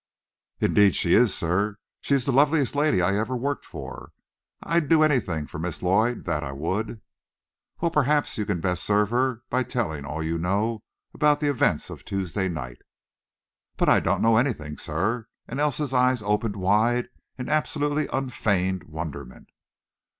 "Indeed she is, sir. She is the loveliest lady I ever worked for. I'd do anything for Miss Lloyd, that I would." "Well, perhaps you can best serve her by telling all you know about the events of Tuesday night." "But I don't know anything, sir," and Elsa's eyes opened wide in absolutely unfeigned wonderment.